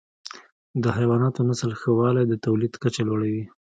د حیواناتو نسل ښه والی د تولید کچه لوړه وي.